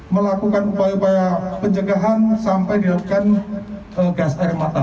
melakukan upaya upaya pencegahan sampai dilakukan gas air mata